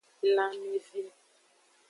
Lanmeve.